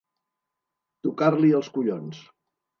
Tocar-li els collons.